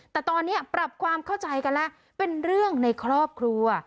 แต่ตอนนี้ปรับความเข้าใจกันแล้วเป็นเรื่องในครอบครัว